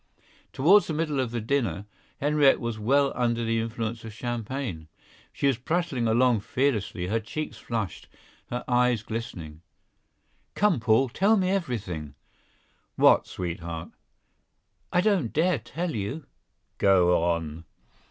Toward the middle of the dinner, Henriette was well under the influence of champagne. She was prattling along fearlessly, her cheeks flushed, her eyes glistening. "Come, Paul; tell me everything." "What, sweetheart?" "I don't dare tell you." "Go on!"